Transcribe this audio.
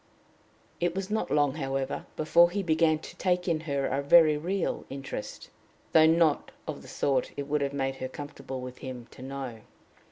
It was not long, however, before he began to take in her a very real interest, though not of a sort it would have made her comfortable with him to know.